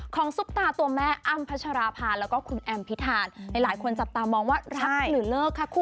ซุปตาตัวแม่อ้ำพัชราภาแล้วก็คุณแอมพิธานหลายคนจับตามองว่ารักหรือเลิกค่ะคุณ